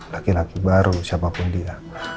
laki laki baru siapapun dia